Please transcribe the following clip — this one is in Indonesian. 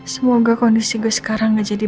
semoga kondisi gue sekarang gak jadi